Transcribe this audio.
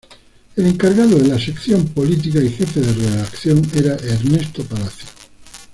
El encargado de la sección política y jefe de redacción era Ernesto Palacio.